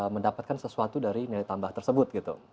mendapatkan sesuatu dari nilai tambah tersebut gitu